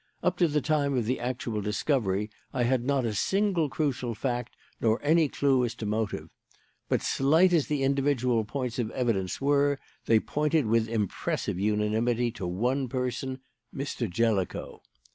Up to the time of the actual discovery I had not a single crucial fact, nor any clue as to motive. But, slight as the individual points of evidence were, they pointed with impressive unanimity to one person Mr. Jellicoe.